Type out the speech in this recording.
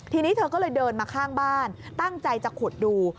ทีนี้เธอก็เลยเดินมาข้างบ้านตั้งใจจะขุดดู